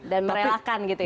dan merelakan gitu ya